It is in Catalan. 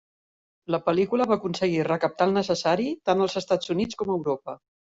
La pel·lícula va aconseguir recaptar el necessari tant als Estats Units com Europa.